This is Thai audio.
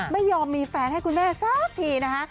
ไม่ยอมมีแฟนให้คุณแม่สักทีนะคะ